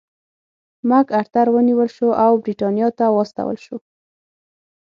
مک ارتر ونیول شو او برېټانیا ته واستول شو.